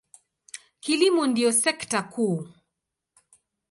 Kilimo ndiyo sekta kuu.